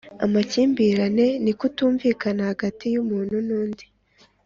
Amakimbirane ni ukutumvikana hagati y’umuntu n’undi